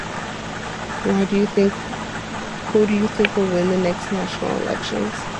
Who do you think will win the next national elections?